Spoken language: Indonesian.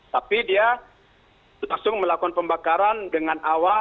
tapi dia langsung melakukan pembakaran dengan awal